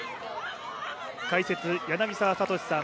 解説・柳澤哲さん